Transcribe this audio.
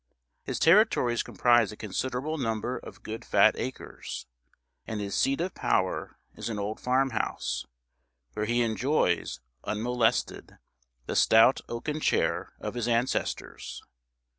His territories comprise a considerable number of good fat acres; and his seat of power is an old farm house, where he enjoys, unmolested, the stout oaken chair of his ancestors.